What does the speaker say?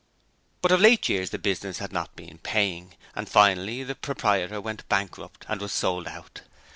But of late years the business had not been paying, and finally the proprietor went bankrupt and was sold out.